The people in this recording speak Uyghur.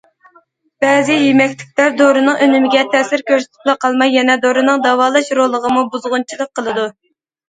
بەزى يېمەكلىكلەر دورىنىڭ ئۈنۈمىگە تەسىر كۆرسىتىپلا قالماي، يەنە دورىنىڭ داۋالاش رولىغىمۇ بۇزغۇنچىلىق قىلىدۇ.